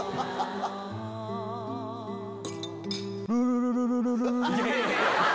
ルルルルルル。